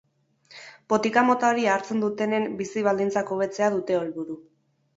Botika mota hori hartzen dutenen bizi-baldintzak hobetzea dute helburu.